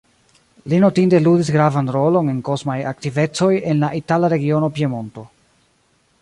Li notinde ludis gravan rolon en kosmaj aktivecoj en la itala regiono Piemonto.